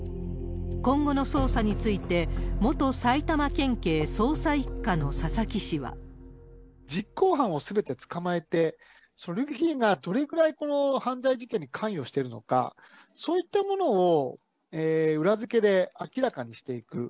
今後の捜査について、元埼玉県警捜査１課の佐々木氏は。実行犯をすべて捕まえて、そのルフィがどのぐらいこの犯罪事件に関与しているのか、そういったものを裏付けで明らかにしていく。